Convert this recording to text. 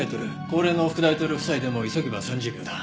高齢の副大統領夫妻でも急げば３０秒だ。